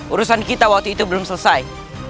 urusan kita waktu itu belum selesai